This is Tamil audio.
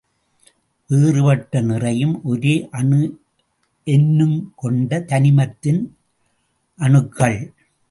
வேறுபட்ட நிறையும் ஒரே அணு எண்ணுங் கொண்ட ஒரு தனிமத்தின் அணுக்கள்.